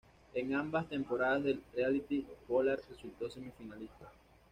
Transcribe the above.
En ambas temporadas del "reality", Pollard resultó semifinalista.